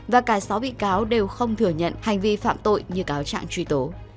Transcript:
và cả sáu vị cáo đều không thừa nhận hành vi phạm tội như cáo chạng truy tố